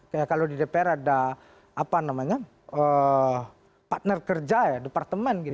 kayak kalau di dpr ada apa namanya partner kerja ya departemen gitu